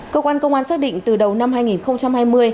cơ quan công an xác định từ đầu năm hai nghìn hai mươi